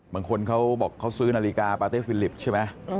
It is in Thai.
บางคนเขาบอกเขาซื้อนาฬิกาปาเต้ฟิลิปใช่ไหม